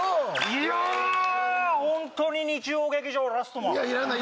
いやあホントに日曜劇場「ラストマン」いや要らない